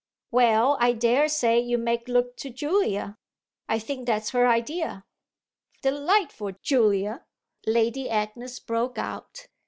"Well, I daresay you may look to Julia. I think that's her idea." "Delightful Julia!" Lady Agnes broke out.